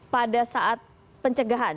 pada saat pencegahan